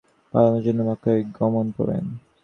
তিনি হজ্জ পালনের জন্য মক্কায় গমণ করেন।